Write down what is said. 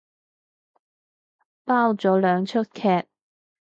煲咗兩齣劇